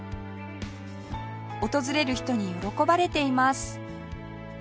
訪れる人に喜ばれています